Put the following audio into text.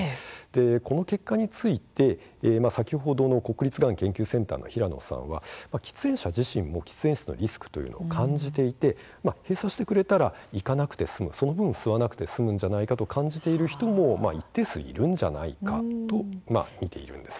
この結果について先ほどの国立がん研究センターの平野さんは喫煙者自身も喫煙室のリスクは感じていて閉鎖してくれたら行かなくて済むその分、吸わなくて済むのではないかと感じている人も一定数いるのではないかと見ているんです。